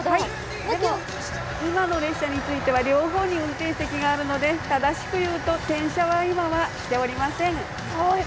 今の列車については両方に運転席があるので、正しく言うと、転車は今はしておりません。